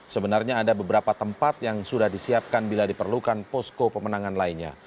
sebenarnya ada beberapa tempat yang sudah disiapkan bila diperlukan posko pemenangan lainnya